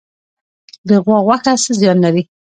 د غوا غوښه څه زیان لري؟